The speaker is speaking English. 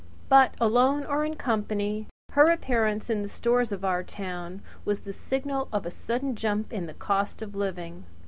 But, alone or in company, her appearance in the stores of our town was the signal for a sudden jump in the cost of living.